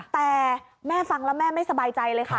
แต่แม่ฟังแล้วแม่ไม่สบายใจเลยค่ะ